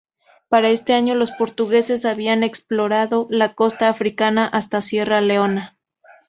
Para este año los portugueses habían explorado la costa africana hasta Sierra Leona.